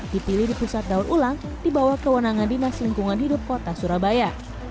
dipilih di pusat daur ulang di bawah kewenangan dinas lingkungan hidup kota surabaya